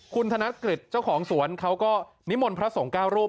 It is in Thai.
คุณธนกฤษเจ้าของสวนเขาก็นิมนต์พระสงฆ์๙รูป